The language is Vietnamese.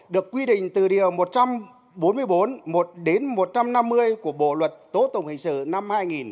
được quy định từ điều một trăm bốn mươi bốn đến một trăm năm mươi của bộ luật tố tổng hình sử năm hai nghìn một mươi năm